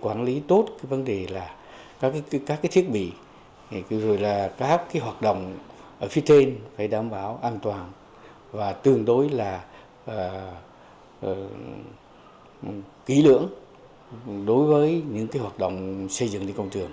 quản lý tốt vấn đề là các thiết bị rồi là các hoạt động ở phía trên phải đảm bảo an toàn và tương đối là kỹ lưỡng đối với những hoạt động xây dựng liên công trường